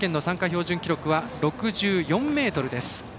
標準記録は６４ｍです。